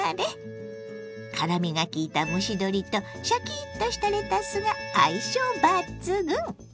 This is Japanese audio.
辛みがきいた蒸し鶏とシャキッとしたレタスが相性抜群！